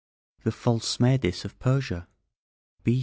THE FALSE SMERDIS OF PERSIA.